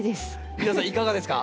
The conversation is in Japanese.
皆さんいかがですか？